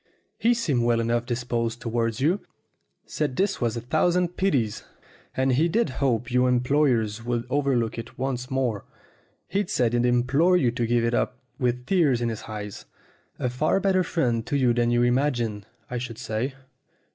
"He seemed well enough disposed towards you; said it was a thousand pities, and he did hope your employers would overlook it once more; said he'd implored you to give it up with tears in his eyes. A far better friend to you than you imagine, I should say."